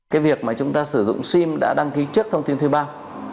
cái việc mà chúng ta sử dụng sim đã đăng ký trước thông tin thuê bao